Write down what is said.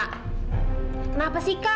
kenapa sih kak